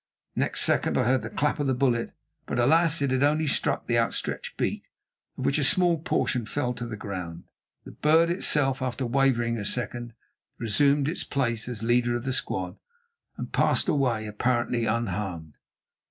Next second I heard the clap of the bullet, but alas! it had only struck the outstretched beak, of which a small portion fell to the ground. The bird itself, after wavering a second, resumed its place as leader of the squad and passed away apparently unharmed.